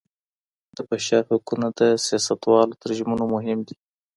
د بشر حقونه د سياستوالو تر ژمنو مهم دي.